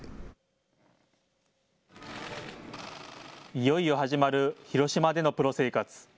いよいよ始まる広島でのプロ生活。